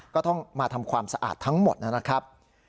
ก็ต้องมาทำความสะอาดทั้งหมดนะครับ